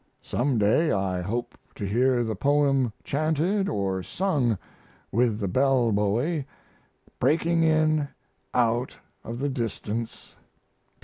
Some day I hope to hear the poem chanted or sung with the bell buoy breaking in out of the distance.